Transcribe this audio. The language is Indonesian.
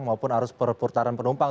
maupun arus perputaran penumpang